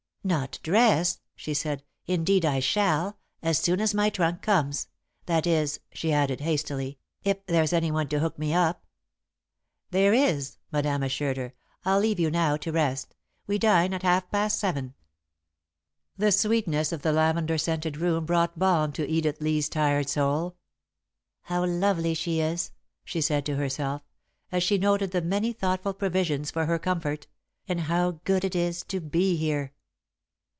"Not dress?" she said. "Indeed I shall, as soon as my trunk comes. That is," she added, hastily, "if there's anyone to hook me up." "There is," Madame assured her. "I'll leave you now to rest. We dine at half past seven." The sweetness of the lavender scented room brought balm to Edith Lee's tired soul. "How lovely she is," she said to herself, as she noted the many thoughtful provisions for her comfort, "and how good it is to be here."